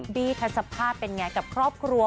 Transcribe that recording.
ี้ทัศภาพเป็นไงกับครอบครัว